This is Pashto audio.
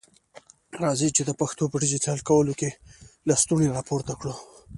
راځئ چي د پښتو په ډيجيټل کولو کي لستوڼي را پورته کړو.